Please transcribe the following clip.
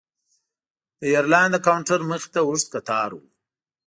د ایرلاین د کاونټر مخې ته اوږد کتار و.